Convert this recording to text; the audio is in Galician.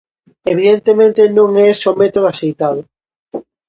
Evidentemente, non é ese o método axeitado.